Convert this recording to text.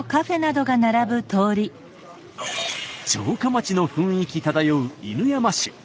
城下町の雰囲気漂う犬山市。